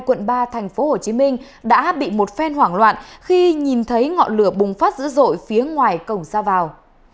quận ba tp hcm đã bị một phen hoảng loạn khi nhìn thấy ngọn lửa bùng phát dữ dội phía ngoài cổng ra vào